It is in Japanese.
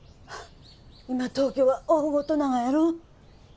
今東京は大ごとながやろ？